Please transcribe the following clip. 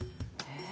え⁉